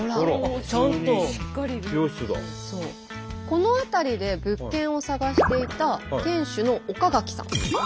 この辺りで物件を探していた店主の岡垣さん。